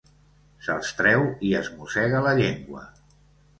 Se'ls treu i es mossega la llengua.